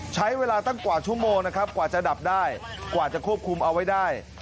ใช้เวลาตั้งกว่าชั่วโมงนะครับกว่าจะดับได้กว่าจะควบคุมเอาไว้ได้